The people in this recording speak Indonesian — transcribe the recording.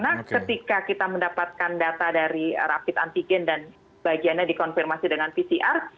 jadi ketika kita mendapatkan data dari rapid antigen dan bagiannya dikonfirmasi dengan pcr